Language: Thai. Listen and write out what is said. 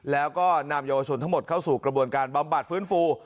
แล้วก็นำเยาวชนทั้งหมดเข้าสู่กระบวนการบำบัดฟื้นฟู